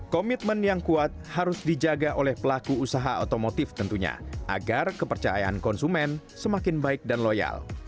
komitmen yang kuat harus dijaga oleh pelaku usaha otomotif tentunya agar kepercayaan konsumen semakin baik dan loyal